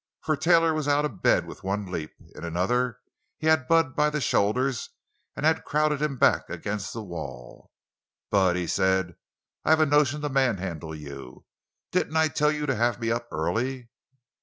For Taylor was out of bed with one leap. In another he had Bud by the shoulders and had crowded him back against the wall. "Bud," he said, "I've a notion to manhandle you! Didn't I tell you to have me up early?"